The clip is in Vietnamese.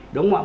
đúng không ạ